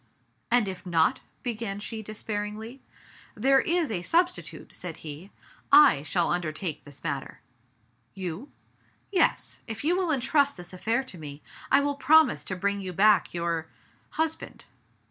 "And if not?" began she despairingly. "There is a substitute," said he. "/shall un dertake this matter." "You?" "Yes. If you will intrust this affair to me, I will promise to bring you back your — husband."